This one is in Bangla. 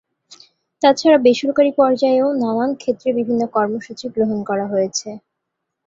তাছাড়া বেসরকারি পর্যায়েও নানান ক্ষেত্রে বিভিন্ন কর্মসূচি গ্রহণ করা হয়েছে।